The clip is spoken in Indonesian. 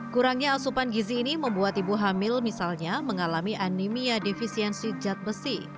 kurangnya asupan gizi ini membuat ibu hamil misalnya mengalami anemia defisiensi zat besi